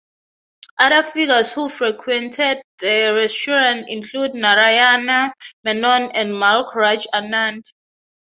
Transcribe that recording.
Other figures who frequented the restaurant include Narayana Menon and Mulk Raj Anand.